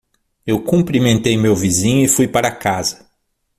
Eu cumprimentei meu vizinho e fui para casa.